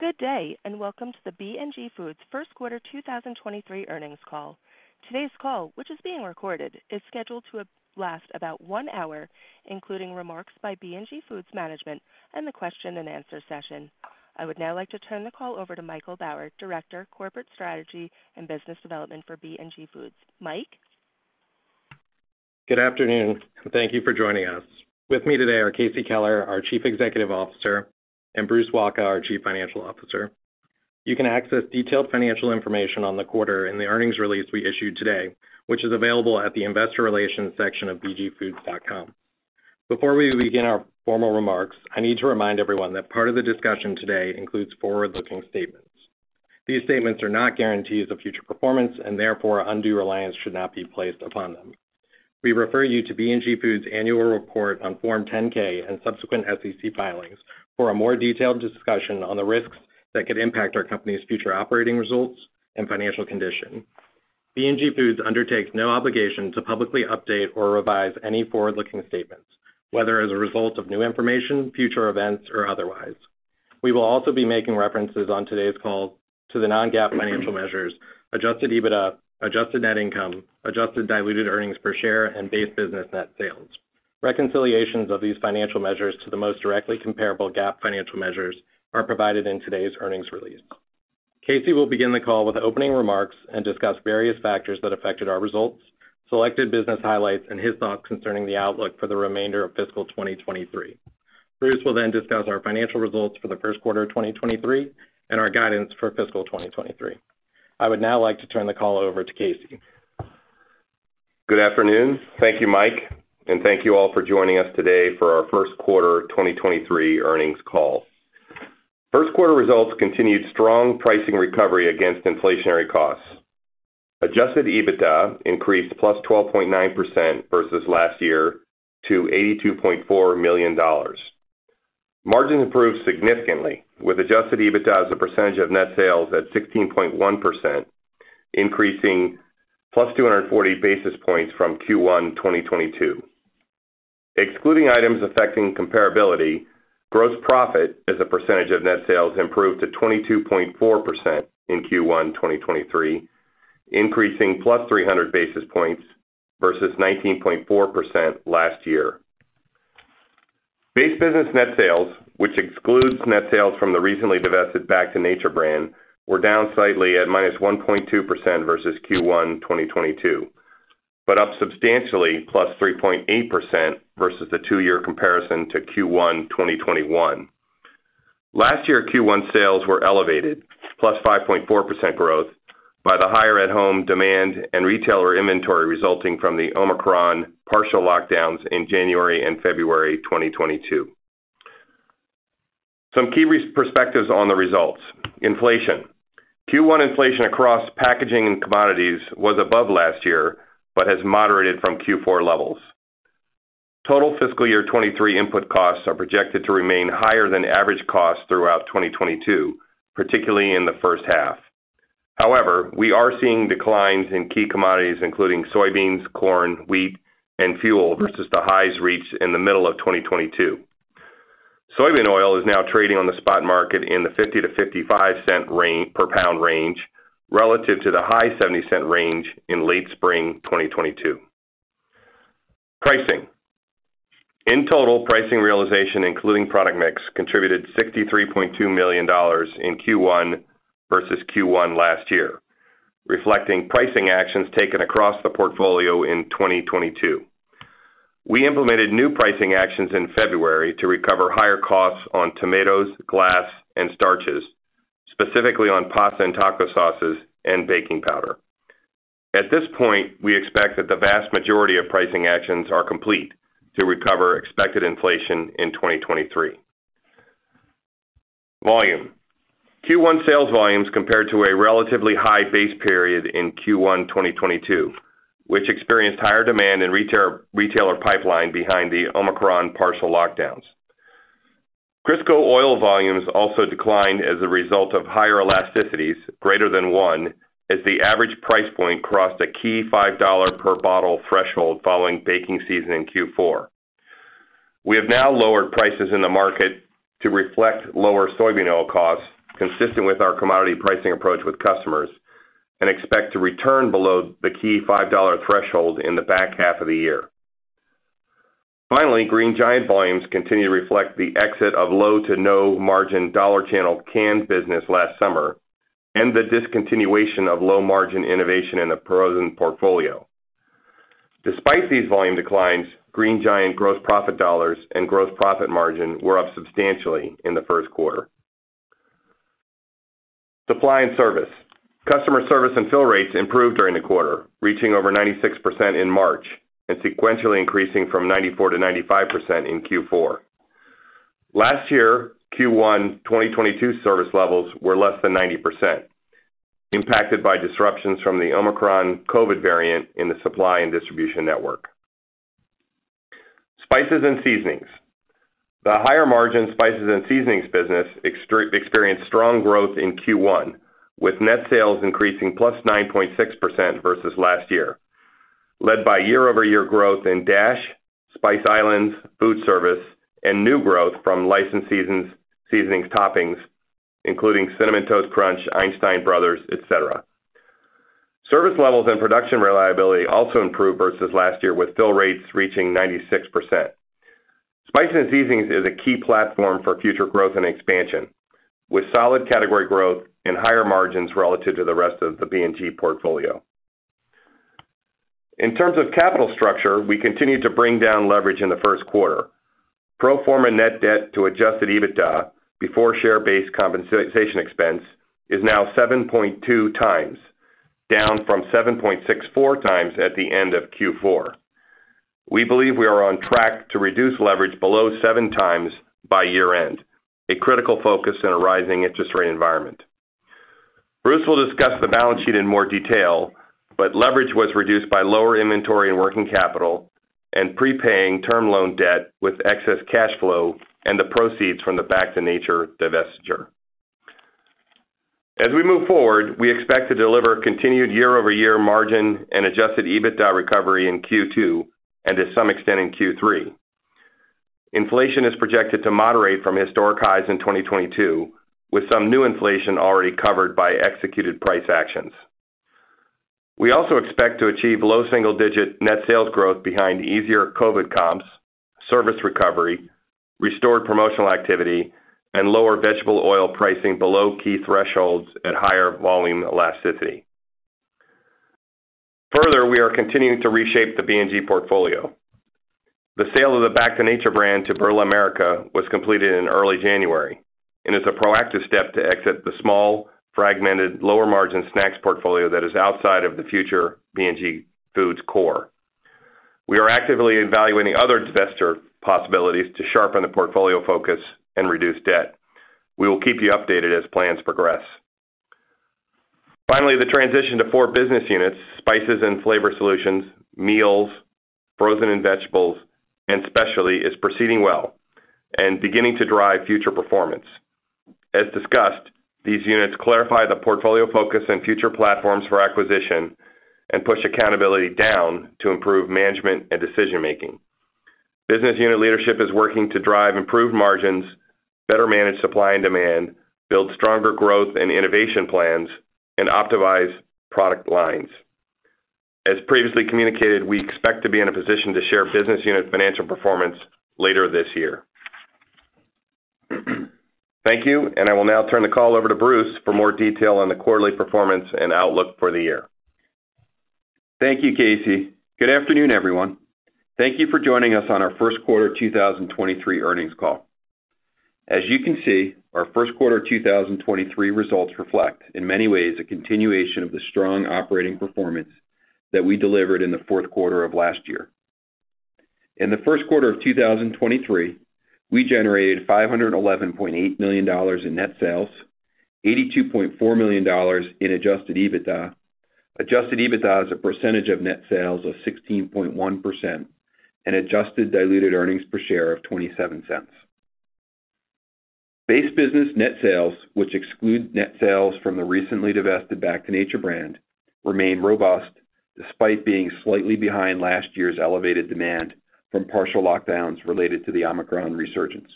Good day, and welcome to the B&G Foods first quarter 2023 earnings call. Today's call, which is being recorded, is scheduled to last about one hour, including remarks by B&G Foods management and the question and answer session. I would now like to turn the call over to Michael Bauer, Director, Corporate Strategy and Business Development for B&G Foods. Mike? Good afternoon, thank you for joining us. With me today are Casey Keller, our Chief Executive Officer, and Bruce Wacha, our Chief Financial Officer. You can access detailed financial information on the quarter in the earnings release we issued today, which is available at the investor relations section of bgfoods.com. Before we begin our formal remarks, I need to remind everyone that part of the discussion today includes forward-looking statements. These statements are not guarantees of future performance, and therefore, undue reliance should not be placed upon them. We refer you to B&G Foods annual report on Form 10-K and subsequent SEC filings for a more detailed discussion on the risks that could impact our company's future operating results and financial condition. B&G Foods undertakes no obligation to publicly update or revise any forward-looking statements, whether as a result of new information, future events, or otherwise. We will also be making references on today's call to the non-GAAP financial measures, adjusted EBITDA, Adjusted Net Income, Adjusted Diluted Earnings Per Share, and Base Business Net Sales. Reconciliations of these financial measures to the most directly comparable GAAP financial measures are provided in today's earnings release. Casey will begin the call with opening remarks and discuss various factors that affected our results, selected business highlights, and his thoughts concerning the outlook for the remainder of fiscal 2023. Bruce will discuss our financial results for the first quarter of 2023 and our guidance for fiscal 2023. I would now like to turn the call over to Casey. Good afternoon. Thank you, Mike, and thank you all for joining us today for our first quarter 2023 earnings call. First quarter results continued strong pricing recovery against inflationary costs. Adjusted EBITDA increased +12.9% versus last year to $82.4 million. Margins improved significantly with Adjusted EBITDA as a percentage of net sales at 16.1%, increasing +240 basis points from Q1 2022. Excluding items affecting comparability, gross profit as a percentage of net sales improved to 22.4% in Q1 2023, increasing +300 basis points versus 19.4% last year. Base Business Net Sales, which excludes net sales from the recently divested Back to Nature brand, were down slightly at -1.2% versus Q1 2022, but up substantially +3.8% versus the two-year comparison to Q1 2021. Last year, Q1 sales were elevated, +5.4% growth, by the higher at home demand and retailer inventory resulting from the Omicron partial lockdowns in January and February 2022. Some key perspectives on the results. Inflation. Q1 inflation across packaging and commodities was above last year, but has moderated from Q4 levels. Total fiscal year 2023 input costs are projected to remain higher than average costs throughout 2022, particularly in the first half. However, we are seeing declines in key commodities, including soybeans, corn, wheat, and fuel versus the highs reached in the middle of 2022. Soybean oil is now trading on the spot market in the $0.50-$0.55 per pound range, relative to the high $0.70 range in late spring 2022. Pricing. In total, pricing realization including product mix contributed $63.2 million in Q1 versus Q1 last year, reflecting pricing actions taken across the portfolio in 2022. We implemented new pricing actions in February to recover higher costs on tomatoes, glass, and starches, specifically on pasta and taco sauces and baking powder. At this point, we expect that the vast majority of pricing actions are complete to recover expected inflation in 2023. Volume. Q1 sales volumes compared to a relatively high base period in Q1 2022, which experienced higher demand in retailer pipeline behind the Omicron partial lockdowns. Crisco oil volumes also declined as a result of higher elasticities greater than one as the average price point crossed a key $5 per bottle threshold following baking season in Q4. We have now lowered prices in the market to reflect lower soybean oil costs consistent with our commodity pricing approach with customers and expect to return below the key $5 threshold in the back half of the year. Finally, Green Giant volumes continue to reflect the exit of low to no margin dollar channel canned business last summer and the discontinuation of low margin innovation in the frozen portfolio. Despite these volume declines, Green Giant gross profit dollars and gross profit margin were up substantially in the first quarter. Supply and service. Customer service and fill rates improved during the quarter, reaching over 96% in March and sequentially increasing from 94%-95% in Q4. Last year, Q1 2022 service levels were less than 90%, impacted by disruptions from the Omicron COVID variant in the supply and distribution network. Spices & Seasonings. The higher margin Spices & Seasonings business experienced strong growth in Q1, with net sales increasing +9.6% versus last year. Led by year-over-year growth in Dash, Spice Islands, food service, and new growth from licensed seasonings toppings, including Cinnamon Toast Crunch, Einstein Brothers, et cetera. Service levels and production reliability also improved versus last year, with fill rates reaching 96%. Spices & Seasonings is a key platform for future growth and expansion, with solid category growth and higher margins relative to the rest of the B&G portfolio. In terms of capital structure, we continued to bring down leverage in the first quarter. Pro forma net debt to adjusted EBITDA, before share-based compensation expense, is now 7.2x, down from 7.64x at the end of Q4. We believe we are on track to reduce leverage below 7x by year-end, a critical focus in a rising interest rate environment. Bruce will discuss the balance sheet in more detail, but leverage was reduced by lower inventory and working capital and prepaying term loan debt with excess cash flow and the proceeds from the Back to Nature divestiture. As we move forward, we expect to deliver continued year-over-year margin and adjusted EBITDA recovery in Q2, and to some extent in Q3. Inflation is projected to moderate from historic highs in 2022, with some new inflation already covered by executed price actions. We also expect to achieve low single-digit net sales growth behind easier COVID comps, service recovery, restored promotional activity, and lower vegetable oil pricing below key thresholds at higher volume elasticity. We are continuing to reshape the B&G portfolio. The sale of the Back to Nature brand to Barilla America was completed in early January and is a proactive step to exit the small, fragmented, lower-margin snacks portfolio that is outside of the future B&G Foods core. We are actively evaluating other divestiture possibilities to sharpen the portfolio focus and reduce debt. We will keep you updated as plans progress. The transition to four business units, Spices & Seasonings, Meals, Frozen & Vegetables, and Specialty, is proceeding well and beginning to drive future performance. These units clarify the portfolio focus and future platforms for acquisition and push accountability down to improve management and decision-making. Business unit leadership is working to drive improved margins, better manage supply and demand, build stronger growth and innovation plans, and optimize product lines. As previously communicated, we expect to be in a position to share business unit financial performance later this year. Thank you. I will now turn the call over to Bruce for more detail on the quarterly performance and outlook for the year. Thank you, Casey. Good afternoon, everyone. Thank you for joining us on our first quarter 2023 earnings call. As you can see, our first quarter 2023 results reflect, in many ways, a continuation of the strong operating performance that we delivered in the fourth quarter of last year. In the first quarter of 2023, we generated $511.8 million in net sales, $82.4 million in adjusted EBITDA. Adjusted EBITDA as a percentage of net sales of 16.1% and Adjusted Diluted Earnings Per Share of $0.27. Base Business Net Sales, which exclude net sales from the recently divested Back to Nature brand, remain robust despite being slightly behind last year's elevated demand from partial lockdowns related to the Omicron resurgence.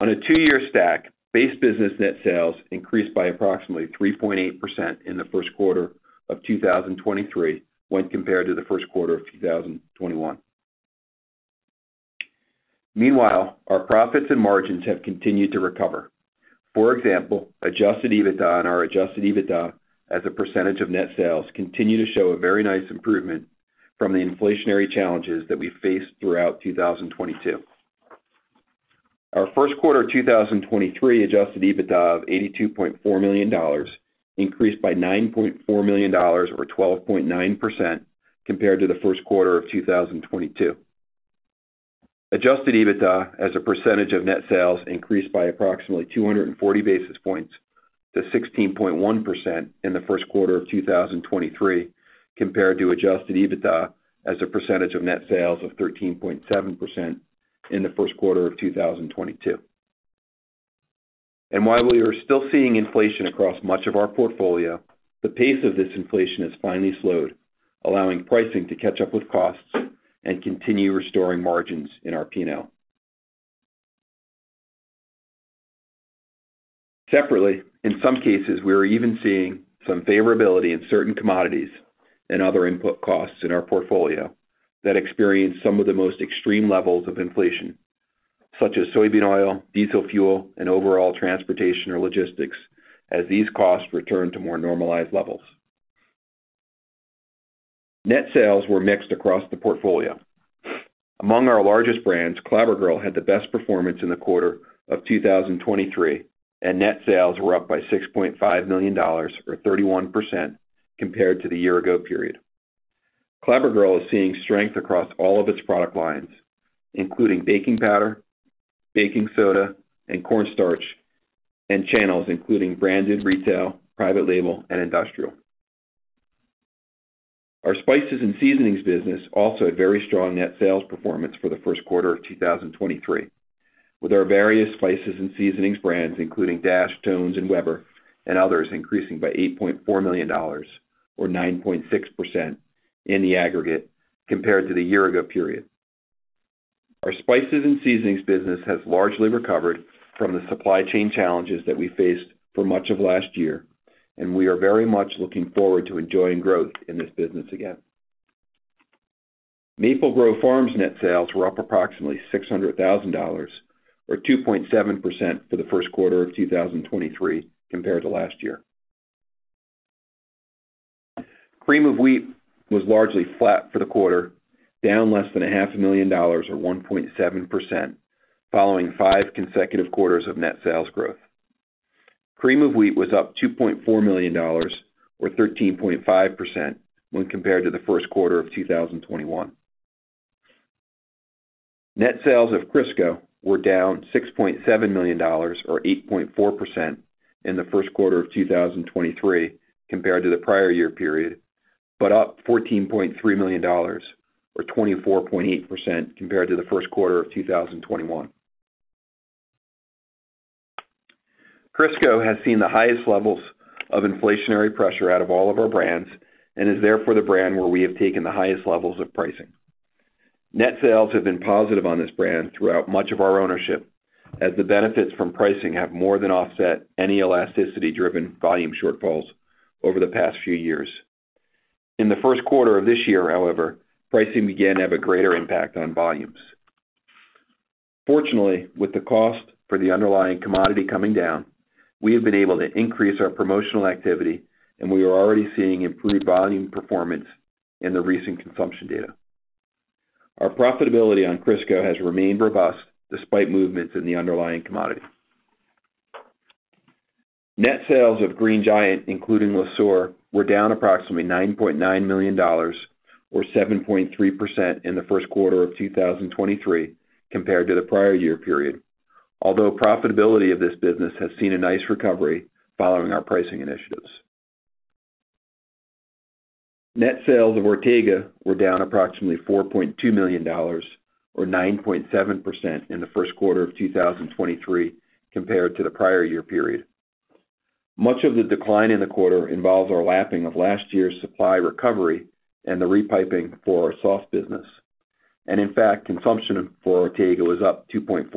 On a two-year stack, Base Business Net Sales increased by approximately 3.8% in the first quarter of 2023 when compared to the first quarter of 2021. Meanwhile, our profits and margins have continued to recover. For example, adjusted EBITDA and our adjusted EBITDA as a percentage of net sales continue to show a very nice improvement from the inflationary challenges that we faced throughout 2022. Our first quarter 2023 adjusted EBITDA of $82.4 million increased by $9.4 million or 12.9% compared to the first quarter of 2022. Adjusted EBITDA as a percentage of net sales increased by approximately 240 basis points to 16.1% in the first quarter of 2023 compared to Adjusted EBITDA as a percentage of net sales of 13.7% in the first quarter of 2022. While we are still seeing inflation across much of our portfolio, the pace of this inflation has finally slowed, allowing pricing to catch up with costs and continue restoring margins in our P&L. Separately, in some cases, we are even seeing some favorability in certain commodities and other input costs in our portfolio that experienced some of the most extreme levels of inflation, such as soybean oil, diesel fuel, and overall transportation or logistics, as these costs return to more normalized levels. Net sales were mixed across the portfolio. Among our largest brands, Clabber Girl had the best performance in the quarter of 2023. Net sales were up by $6.5 million or 31% compared to the year ago period. Clabber Girl is seeing strength across all of its product lines, including baking powder, baking soda, and cornstarch, and channels including branded retail, private label, and industrial. Our Spices and Seasonings business also had very strong net sales performance for the first quarter of 2023. With our various Spices and Seasonings brands, including Dash, Tone's and Weber and others, increasing by $8.4 million, or 9.6% in the aggregate compared to the year ago period. Our Spices & Seasonings business has largely recovered from the supply chain challenges that we faced for much of last year, and we are very much looking forward to enjoying growth in this business again. Maple Grove Farms net sales were up approximately $600,000 or 2.7% for the first quarter of 2023 compared to last year. Cream of Wheat was largely flat for the quarter, down less than a half a million dollars or 1.7%, following five consecutive quarters of net sales growth. Cream of Wheat was up $2.4 million or 13.5% when compared to the first quarter of 2021. Net sales of Crisco were down $6.7 million or 8.4% in the first quarter of 2023 compared to the prior year period, but up $14.3 million or 24.8% compared to the first quarter of 2021. Crisco has seen the highest levels of inflationary pressure out of all of our brands and is therefore the brand where we have taken the highest levels of pricing. Net sales have been positive on this brand throughout much of our ownership, as the benefits from pricing have more than offset any elasticity driven volume shortfalls over the past few years. In the first quarter of this year, however, pricing began to have a greater impact on volumes. Fortunately, with the cost for the underlying commodity coming down, we have been able to increase our promotional activity and we are already seeing improved volume performance in the recent consumption data. Our profitability on Crisco has remained robust despite movements in the underlying commodity. Net sales of Green Giant, including Le Sueur, were down approximately $9.9 million or 7.3% in the first quarter of 2023 compared to the prior year period. Profitability of this business has seen a nice recovery following our pricing initiatives. Net sales of Ortega were down approximately $4.2 million or 9.7% in the first quarter of 2023 compared to the prior year period. Much of the decline in the quarter involves our lapping of last year's supply recovery and the repiping for our soft business. In fact, consumption for Ortega was up 2.4%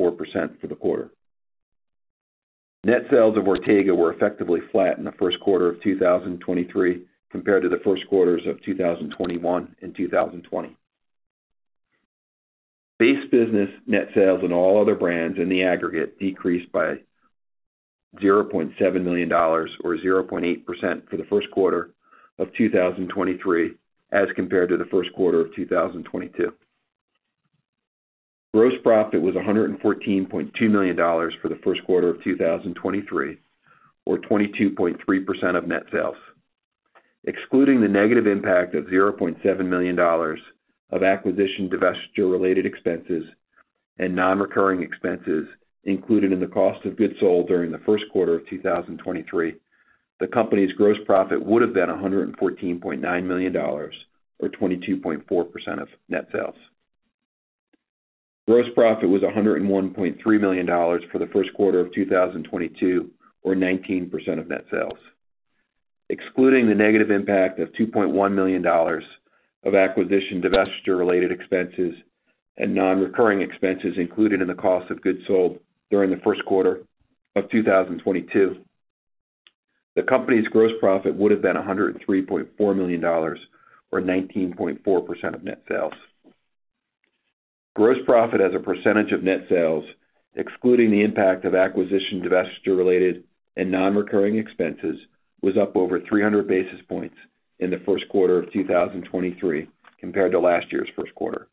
for the quarter. Net sales of Ortega were effectively flat in the first quarter of 2023 compared to the first quarters of 2021 and 2020. Base business net sales in all other brands in the aggregate decreased by $0.7 million or 0.8% for the first quarter of 2023 as compared to the first quarter of 2022. Gross profit was $114.2 million for the first quarter of 2023, or 22.3% of net sales. Excluding the negative impact of $0.7 million of acquisition divestiture related expenses and non-recurring expenses included in the cost of goods sold during the first quarter of 2023, the company's gross profit would have been $114.9 million or 22.4% of net sales. Gross profit was $101.3 million for the first quarter of 2022 or 19% of net sales. Excluding the negative impact of $2.1 million of acquisition divestiture related expenses and non-recurring expenses included in the cost of goods sold during the first quarter of 2022, the company's gross profit would have been $103.4 million or 19.4% of net sales. Gross profit as a percentage of net sales, excluding the impact of acquisition divestiture related and non-recurring expenses, was up over 300 basis points in the first quarter of 2023 compared to last year's first quarter.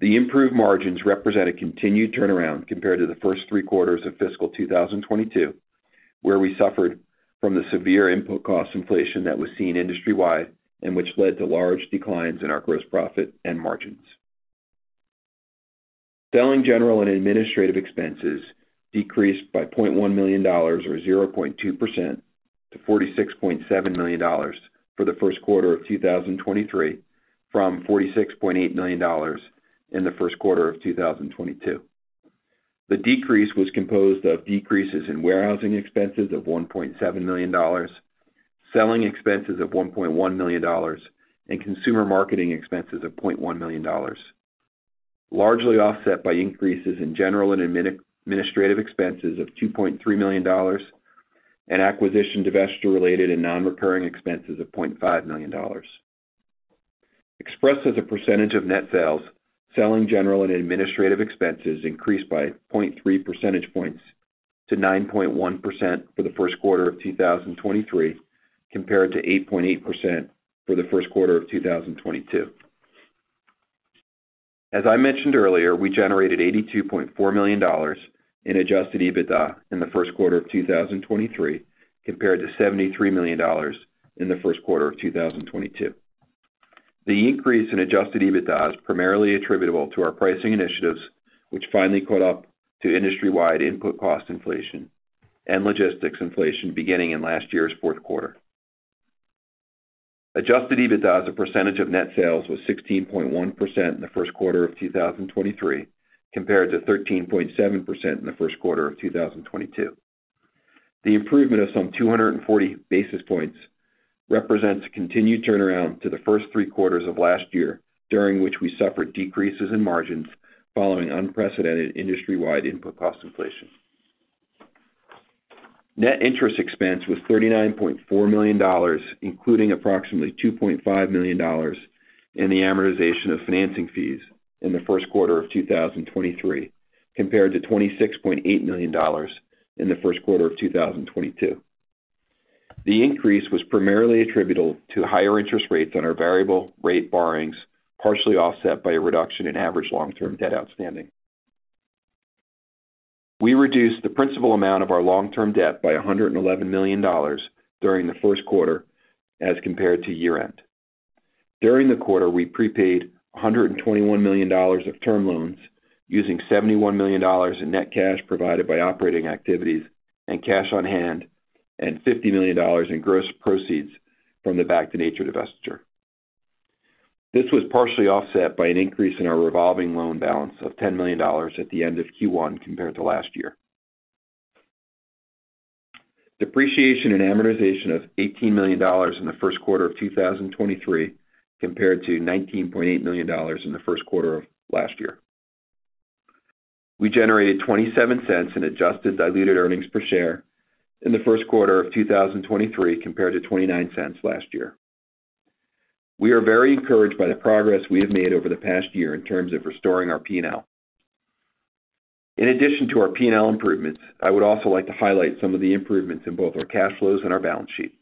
The improved margins represent a continued turnaround compared to the first three quarters of fiscal 2022, where we suffered from the severe input cost inflation that was seen industry-wide and which led to large declines in our gross profit and margins. Selling general and administrative expenses decreased by $0.1 million or 0.2% to $46.7 million for the first quarter of 2023 from $46.8 million in the first quarter of 2022. The decrease was composed of decreases in warehousing expenses of $1.7 million, selling expenses of $1.1 million, and consumer marketing expenses of $0.1 million, largely offset by increases in general and administrative expenses of $2.3 million and acquisition divestiture related and non-recurring expenses of $0.5 million. Expressed as a percentage of net sales, selling general and administrative expenses increased by 0.3 percentage points to 9.1% for the first quarter of 2023 compared to 8.8% for the first quarter of 2022. As I mentioned earlier, we generated $82.4 million in adjusted EBITDA in the first quarter of 2023 compared to $73 million in the first quarter of 2022. The increase in adjusted EBITDA is primarily attributable to our pricing initiatives, which finally caught up to industry-wide input cost inflation and logistics inflation beginning in last year's fourth quarter. Adjusted EBITDA as a percentage of net sales was 16.1% in the first quarter of 2023, compared to 13.7% in the first quarter of 2022. The improvement of some 240 basis points represents a continued turnaround to the first three quarters of last year, during which we suffered decreases in margins following unprecedented industry-wide input cost inflation. Net interest expense was $39.4 million, including approximately $2.5 million in the amortization of financing fees in the first quarter of 2023, compared to $26.8 million in the first quarter of 2022. The increase was primarily attributable to higher interest rates on our variable rate borrowings, partially offset by a reduction in average long-term debt outstanding. We reduced the principal amount of our long-term debt by $111 million during the first quarter as compared to year-end. During the quarter, we prepaid $121 million of term loans using $71 million in net cash provided by operating activities and cash on hand and $50 million in gross proceeds from the Back to Nature divestiture. This was partially offset by an increase in our revolving loan balance of $10 million at the end of Q1 compared to last year. Depreciation and amortization of $18 million in the first quarter of 2023, compared to $19.8 million in the first quarter of last year. We generated $0.27 in Adjusted Diluted Earnings Per Share in the first quarter of 2023, compared to $0.29 last year. We are very encouraged by the progress we have made over the past year in terms of restoring our P&L. In addition to our P&L improvements, I would also like to highlight some of the improvements in both our cash flows and our balance sheet.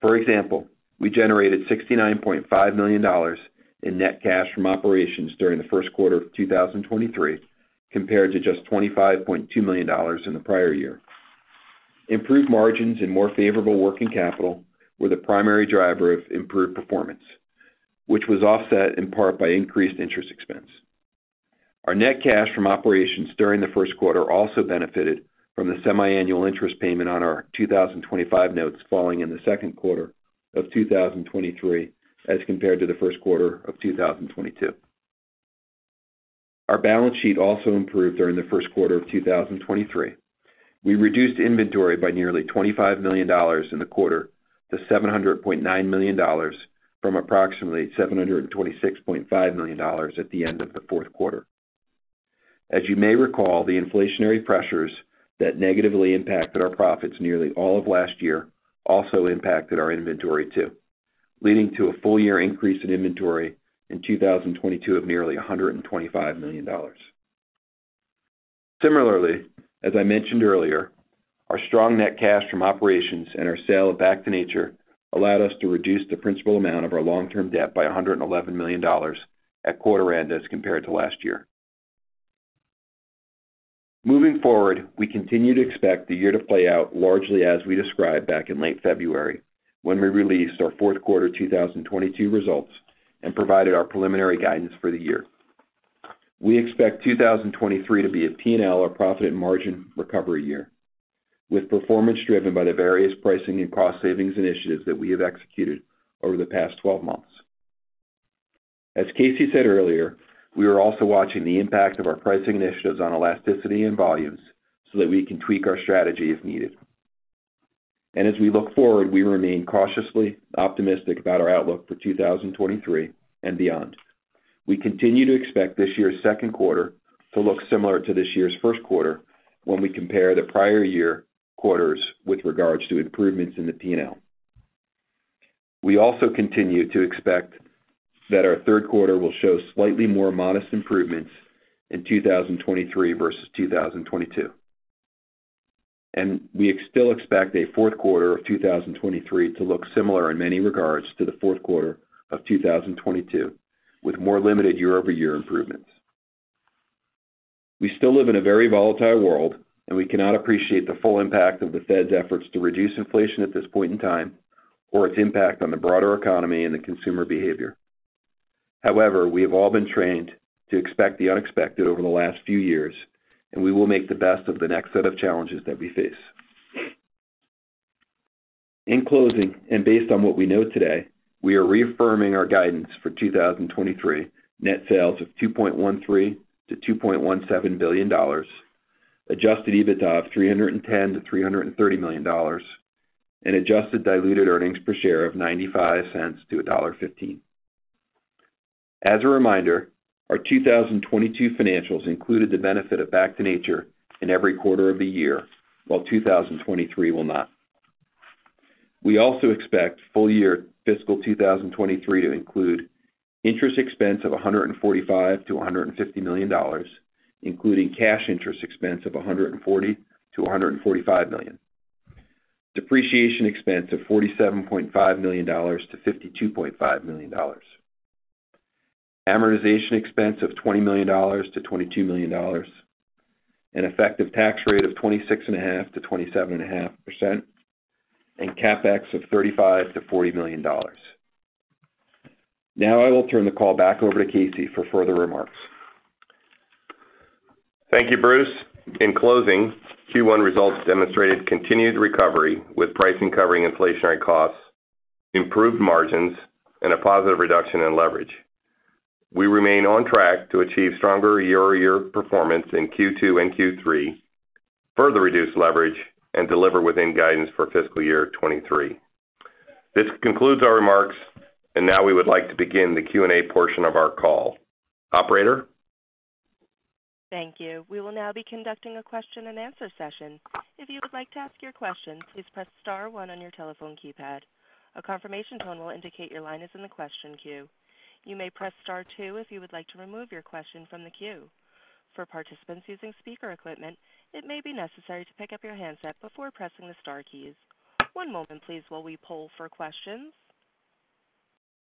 For example, we generated $69.5 million in net cash from operations during the first quarter of 2023, compared to just $25.2 million in the prior year. Improved margins and more favorable working capital were the primary driver of improved performance, which was offset in part by increased interest expense. Our net cash from operations during the first quarter also benefited from the semiannual interest payment on our 2025 notes falling in the second quarter of 2023 as compared to the first quarter of 2022. Our balance sheet also improved during the first quarter of 2023. We reduced inventory by nearly $25 million in the quarter to $700.9 million from approximately $726.5 million at the end of the fourth quarter. As you may recall, the inflationary pressures that negatively impacted our profits nearly all of last year also impacted our inventory too, leading to a full year increase in inventory in 2022 of nearly $125 million. Similarly, as I mentioned earlier, our strong net cash from operations and our sale of Back to Nature allowed us to reduce the principal amount of our long-term debt by $111 million at quarter end as compared to last year. Moving forward, we continue to expect the year to play out largely as we described back in late February when we released our fourth quarter 2022 results and provided our preliminary guidance for the year. We expect 2023 to be a P&L or profit and margin recovery year, with performance driven by the various pricing and cost savings initiatives that we have executed over the past 12 months. As Casey said earlier, we are also watching the impact of our pricing initiatives on elasticity and volumes so that we can tweak our strategy if needed. As we look forward, we remain cautiously optimistic about our outlook for 2023 and beyond. We continue to expect this year's second quarter to look similar to this year's first quarter when we compare the prior year quarters with regards to improvements in the P&L. We also continue to expect that our third quarter will show slightly more modest improvements in 2023 versus 2022. We still expect a fourth quarter of 2023 to look similar in many regards to the fourth quarter of 2022, with more limited year-over-year improvements. We still live in a very volatile world, and we cannot appreciate the full impact of the Fed's efforts to reduce inflation at this point in time or its impact on the broader economy and the consumer behavior. We have all been trained to expect the unexpected over the last few years, and we will make the best of the next set of challenges that we face. In closing, and based on what we know today, we are reaffirming our guidance for 2023 net sales of $2.13 billion-$2.17 billion, Adjusted EBITDA of $310 million-$330 million, and Adjusted Diluted Earnings Per Share of $0.95-$1.15. As a reminder, our 2022 financials included the benefit of Back to Nature in every quarter of the year, while 2023 will not. We also expect full year fiscal 2023 to include interest expense of $145 million-$150 million, including cash interest expense of $140 million-$145 million. Depreciation expense of $47.5 million-$52.5 million. Amortization expense of $20 million-$22 million. An effective tax rate of 26.5%-27.5%. CapEx of $35 million-$40 million. I will turn the call back over to Casey for further remarks. Thank you, Bruce. In closing, Q1 results demonstrated continued recovery with pricing covering inflationary costs, improved margins, and a positive reduction in leverage. We remain on track to achieve stronger year-over-year performance in Q2 and Q3, further reduce leverage, and deliver within guidance for fiscal year 2023. This concludes our remarks, and now we would like to begin the Q&A portion of our call. Operator? Thank you. We will now be conducting a question-and-answer session. If you would like to ask your question, please press star one on your telephone keypad. A confirmation tone will indicate your line is in the question queue. You may press star two if you would like to remove your question from the queue. For participants using speaker equipment, it may be necessary to pick up your handset before pressing the star keys. One moment please while we poll for questions.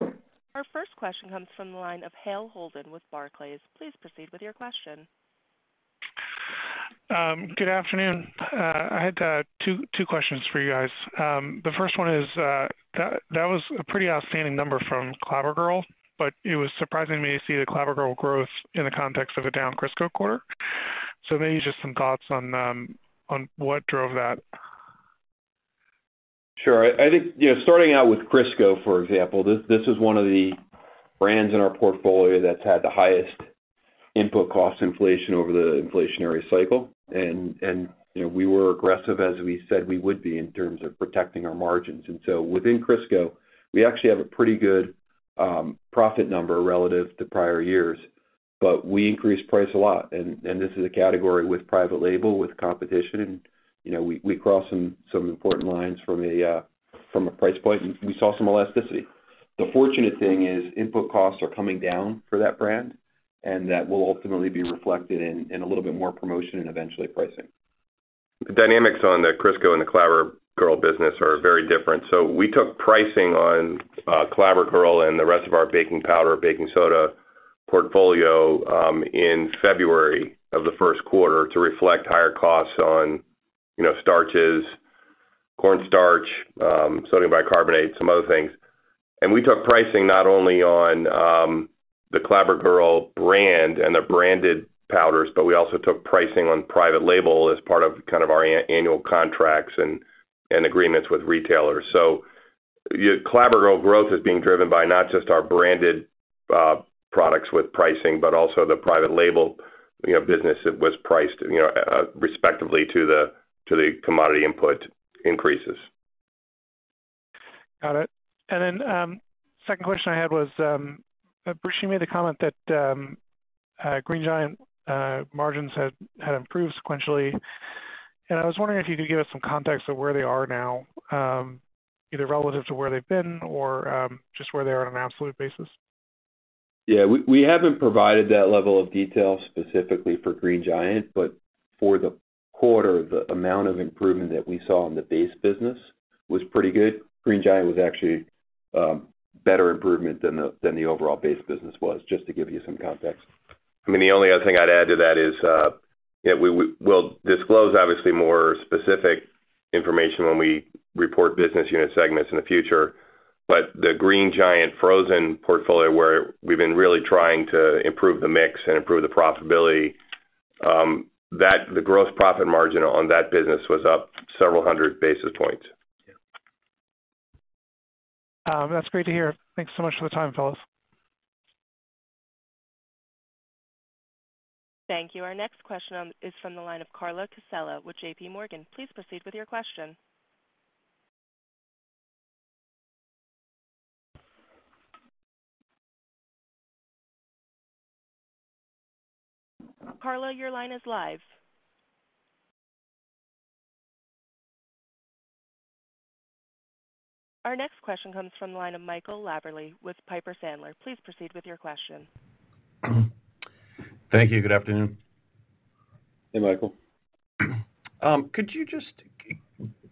Our first question comes from the line of Hale Holden with Barclays. Please proceed with your question. Good afternoon. I had two questions for you guys. The first one is that was a pretty outstanding number from Clabber Girl, but it was surprising to me to see the Clabber Girl growth in the context of a down Crisco quarter. Maybe just some thoughts on what drove that? Sure. I think, you know, starting out with Crisco, for example, this is one of the brands in our portfolio that's had the highest input cost inflation over the inflationary cycle. You know, we were aggressive as we said we would be in terms of protecting our margins. Within Crisco, we actually have a pretty good profit number relative to prior years, but we increased price a lot. This is a category with private label, with competition. You know, we crossed some important lines from a price point, and we saw some elasticity. The fortunate thing is input costs are coming down for that brand, and that will ultimately be reflected in a little bit more promotion and eventually pricing. The dynamics on the Crisco and the Clabber Girl business are very different. We took pricing on Clabber Girl and the rest of our baking powder, baking soda portfolio in February of the first quarter to reflect higher costs on, you know, starches, corn starch, sodium bicarbonate, some other things. We took pricing not only on the Clabber Girl brand and the branded powders, but we also took pricing on private label as part of kind of our annual contracts and agreements with retailers. Clabber Girl growth is being driven by not just our branded products with pricing, but also the private label, you know, business that was priced, you know, respectively to the commodity input increases. Got it. Second question I had was, Bruce, you made the comment that Green Giant margins had improved sequentially. I was wondering if you could give us some context of where they are now, either relative to where they've been or just where they are on an absolute basis. We haven't provided that level of detail specifically for Green Giant, for the quarter, the amount of improvement that we saw in the base business was pretty good. Green Giant was actually, better improvement than the overall base business was, just to give you some context. I mean, the only other thing I'd add to that is, yeah, we'll disclose obviously more specific information when we report business unit segments in the future. The Green Giant frozen portfolio, where we've been really trying to improve the mix and improve the profitability, the gross profit margin on that business was up several hundred basis points. That's great to hear. Thanks so much for the time, fellas. Thank you. Our next question is from the line of Carla Casella with JPMorgan. Please proceed with your question. Carla, your line is live. Our next question comes from the line of Michael Lavery with Piper Sandler. Please proceed with your question. Thank you. Good afternoon. Hey, Michael. Could you just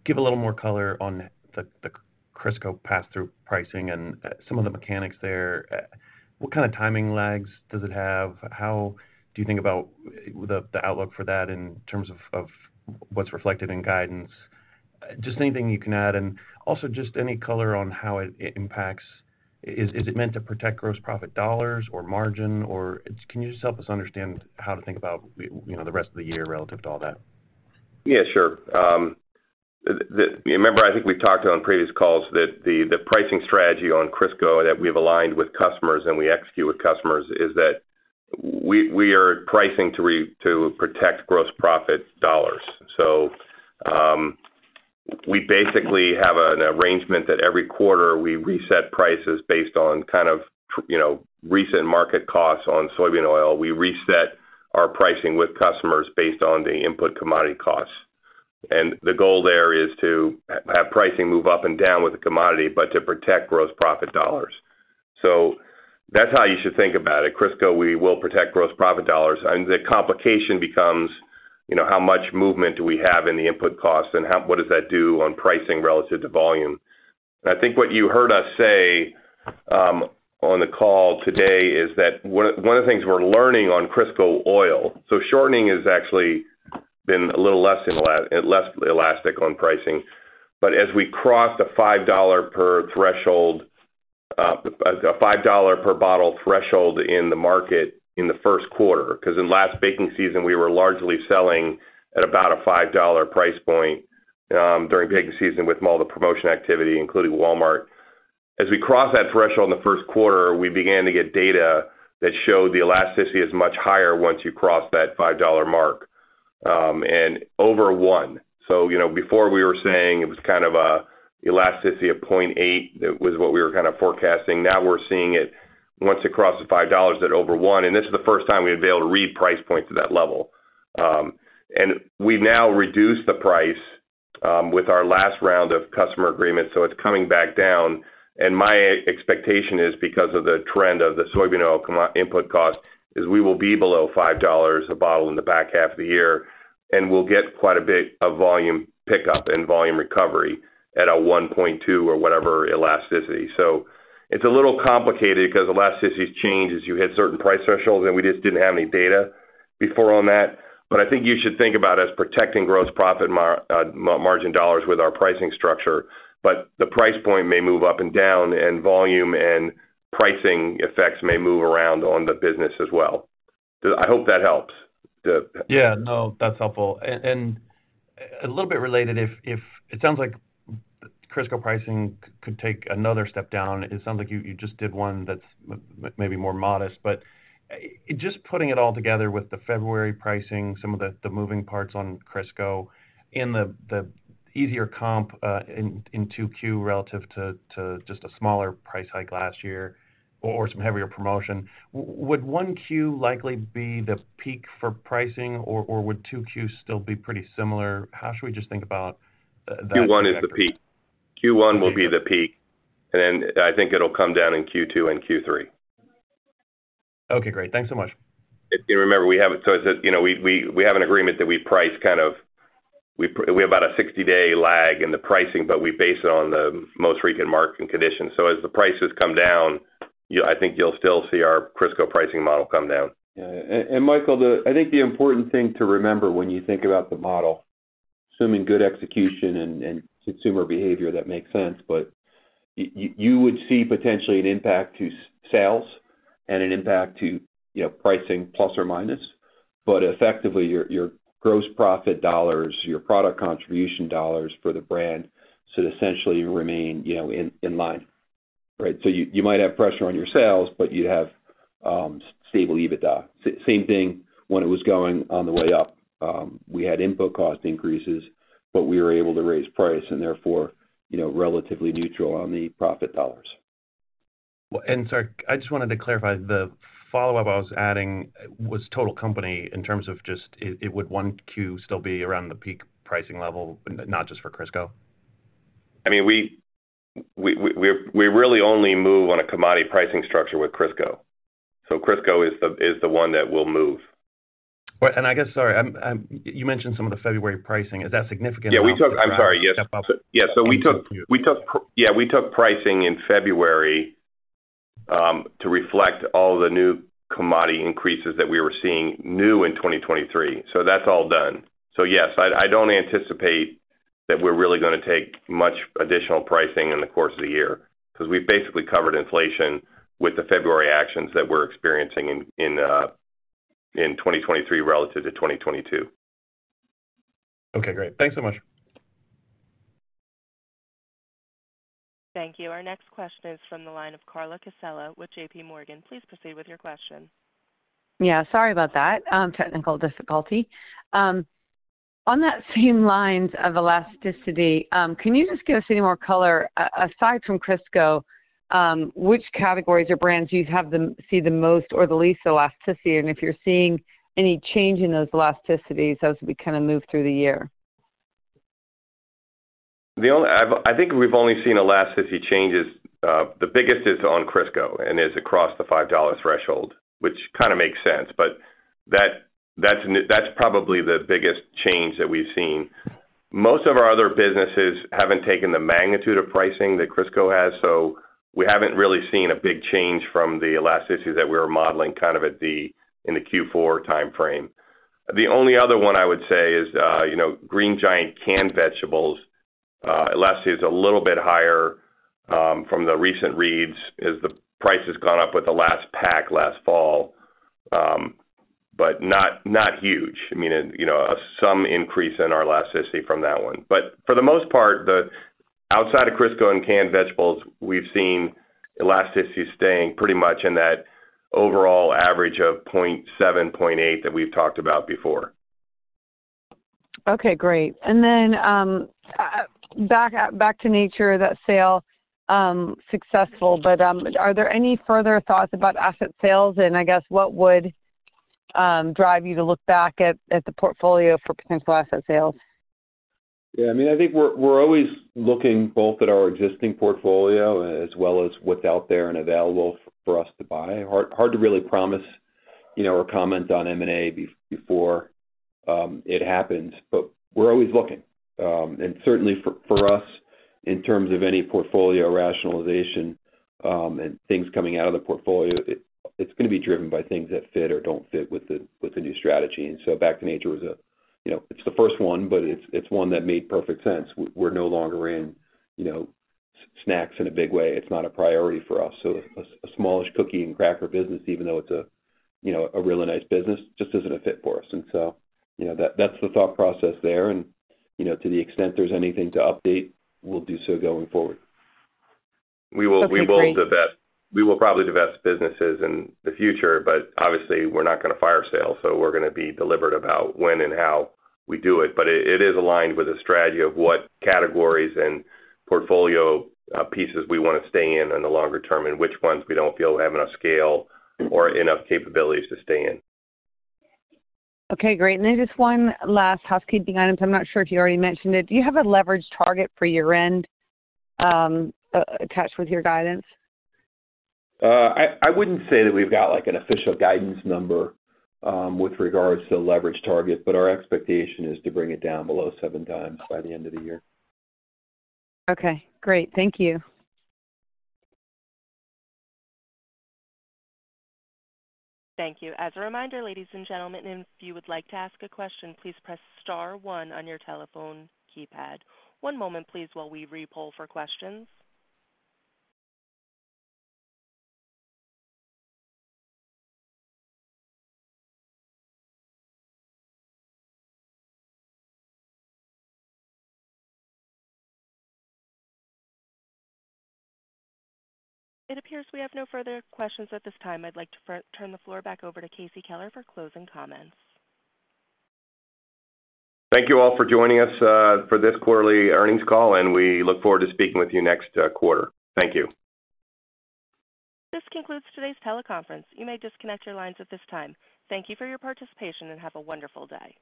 give a little more color on the Crisco pass-through pricing and some of the mechanics there? What kind of timing lags does it have? How do you think about with the outlook for that in terms of what's reflected in guidance? Just anything you can add, and also just any color on how it impacts. Is it meant to protect gross profit dollars or margin, or can you just help us understand, you know, the rest of the year relative to all that? Yeah, sure. The, remember, I think we've talked on previous calls that the pricing strategy on Crisco that we've aligned with customers and we execute with customers is that we are pricing to protect gross profit dollars. We basically have an arrangement that every quarter we reset prices based on kind of you know, recent market costs on soybean oil. We reset our pricing with customers based on the input commodity costs. The goal there is to have pricing move up and down with the commodity, but to protect gross profit dollars. That's how you should think about it. Crisco, we will protect gross profit dollars, and the complication becomes, you know, how much movement do we have in the input costs and what does that do on pricing relative to volume. I think what you heard us say on the call today is that one of the things we're learning on Crisco oil, so shortening has actually been a little less elastic on pricing. As we cross the $5 per bottle threshold in the market in the first quarter, 'cause in last baking season, we were largely selling at about a $5 price point during baking season with all the promotion activity, including Walmart. As we crossed that threshold in the first quarter, we began to get data that showed the elasticity is much higher once you cross that $5 mark and over one. You know, before we were saying it was kind of a elasticity of 0.8 it was what we were kind of forecasting. We're seeing it once it crossed the $5 at over one, and this is the first time we've been able to read price points at that level. We've now reduced the price with our last round of customer agreements, so it's coming back down. My expectation is because of the trend of the soybean oil input cost is we will be below $5 a bottle in the back half of the year, and we'll get quite a bit of volume pickup and volume recovery at a 1.2 or whatever elasticity. It's a little complicated 'cause elasticity has changed as you hit certain price thresholds, and we just didn't have any data before on that. I think you should think about us protecting gross profit margin dollars with our pricing structure, but the price point may move up and down, and volume and pricing effects may move around on the business as well. I hope that helps. Yeah, no, that's helpful. A little bit related, if it sounds like Crisco pricing could take another step down. It sounds like you just did one that's maybe more modest, but, just putting it all together with the February pricing, some of the moving parts on Crisco and the easier comp in 2Q relative to just a smaller price hike last year or some heavier promotion, would 1Q likely be the peak for pricing, or would 2Q still be pretty similar? How should we just think about that trajectory? Q1 is the peak. Q1 will be the peak, and then I think it'll come down in Q2 and Q3. Okay, great. Thanks so much. Remember, it's a, you know, we have an agreement that we price kind of, we have about a 60-day lag in the pricing, but we base it on the most recent market conditions. As the prices come down, I think you'll still see our Crisco pricing model come down. Yeah. Michael, I think the important thing to remember when you think about the model, assuming good execution and consumer behavior, that makes sense. You would see potentially an impact to sales and an impact to, you know, pricing plus or minus. Effectively, your gross profit dollars, your product contribution dollars for the brand should essentially remain, you know, in line, right? You might have pressure on your sales, but you'd have stable EBITDA. Same thing when it was going on the way up, we had input cost increases, but we were able to raise price and therefore, you know, relatively neutral on the profit dollars. Well, sorry, I just wanted to clarify. The follow-up I was adding was total company in terms of just it would 1Q still be around the peak pricing level, not just for Crisco? I mean, we're really only move on a commodity pricing structure with Crisco. Crisco is the one that will move. Right. I guess, sorry, you mentioned some of the February pricing. Is that significant? Yeah, I'm sorry. Yes. To perhaps step up anything for you? Yeah. We took pricing in February to reflect all the new commodity increases that we were seeing new in 2023. That's all done. Yes, I don't anticipate that we're really gonna take much additional pricing in the course of the year 'cause we've basically covered inflation with the February actions that we're experiencing in 2023 relative to 2022. Okay, great. Thanks so much. Thank you. Our next question is from the line of Carla Casella with JPMorgan. Please proceed with your question. Yeah, sorry about that, technical difficulty. On that same lines of elasticity, can you just give us any more color, aside from Crisco, which categories or brands do you see the most or the least elasticity? If you're seeing any change in those elasticities as we kinda move through the year. I think we've only seen elasticity changes, the biggest is on Crisco and is across the $5 threshold, which kind of makes sense. That's probably the biggest change that we've seen. Most of our other businesses haven't taken the magnitude of pricing that Crisco has. We haven't really seen a big change from the elasticity that we were modeling in the Q4 timeframe. You know, Green Giant canned vegetables elasticity is a little bit higher from the recent reads as the price has gone up with the last pack last fall. Not huge. I mean, you know, some increase in our elasticity from that one. For the most part, outside of Crisco and canned vegetables, we've seen elasticity staying pretty much in that overall average of 0.7, 0.8 that we've talked about before. Okay, great. Then, Back to Nature, that sale, successful. Are there any further thoughts about asset sales? I guess what would drive you to look back at the portfolio for potential asset sales? Yeah, I mean, I think we're always looking both at our existing portfolio as well as what's out there and available for us to buy. Hard to really promise, you know, or comment on M&A before it happens, but we're always looking. Certainly for us, in terms of any portfolio rationalization, and things coming out of the portfolio, it's gonna be driven by things that fit or don't fit with the new strategy. Back to Nature was a You know, it's the first one, but it's one that made perfect sense. We're no longer in, you know, snacks in a big way. It's not a priority for us. A smallish cookie and cracker business, even though it's a, you know, a really nice business, just isn't a fit for us. You know, that's the thought process there. You know, to the extent there's anything to update, we'll do so going forward. We will probably divest businesses in the future, obviously we're not gonna fire sale, so we're gonna be deliberate about when and how we do it. It is aligned with the strategy of what categories and portfolio pieces we wanna stay in in the longer term, and which ones we don't feel have enough scale or enough capabilities to stay in. Okay, great. Just one last housekeeping item. I'm not sure if you already mentioned it. Do you have a leverage target for year-end attached with your guidance? I wouldn't say that we've got, like, an official guidance number, with regards to the leverage target, but our expectation is to bring it down below seven times by the end of the year. Okay, great. Thank you. Thank you. As a reminder, ladies and gentlemen, if you would like to ask a question, please press star 1 on your telephone keypad. One moment, please, while we re-poll for questions. It appears we have no further questions at this time. I'd like to turn the floor back over to Casey Keller for closing comments. Thank you all for joining us for this quarterly earnings call. We look forward to speaking with you next quarter. Thank you. This concludes today's teleconference. You may disconnect your lines at this time. Thank you for your participation. Have a wonderful day.